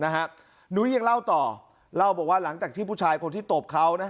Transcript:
หนุ้ยยังเล่าต่อเล่าบอกว่าหลังจากที่ผู้ชายคนที่ตบเขานะ